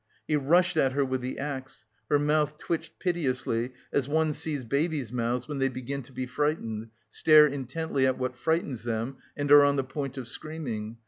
He rushed at her with the axe; her mouth twitched piteously, as one sees babies' mouths, when they begin to be frightened, stare intently at what frightens them and are on the point of screaming.